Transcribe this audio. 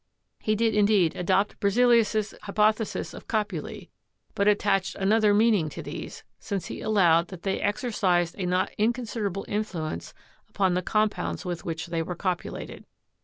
He did, in deed, adopt Berzelius' hypothesis of copulae, but attached another meaning to these, since he allowed that they ex ercized a not inconsiderable influence upon the compounds with which they were copulated.